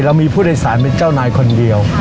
เรามีผู้โดยสารเป็นเจ้านายคนเดียว